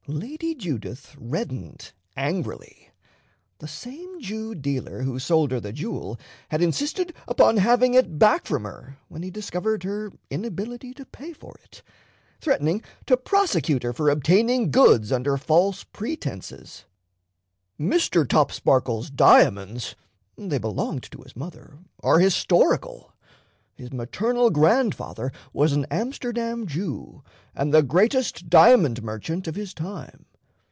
Lady Judith reddened angrily. The same Jew dealer who sold her the jewel had insisted upon having it back from her when he discovered her inability to pay for it, threatening to prosecute her for obtaining goods under false pretenses. "Mr. Topsparkle's diamonds they belonged to his mother are historical. His maternal grandfather was an Amsterdam Jew, and the greatest diamond merchant of his time.